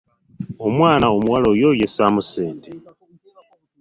Omwana omuwala oyo yessaamu ssente!